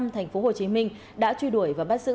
thành phố hồ chí minh đã truy đuổi và bắt giữ